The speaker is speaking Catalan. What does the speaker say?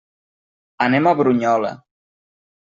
Anem a Brunyola.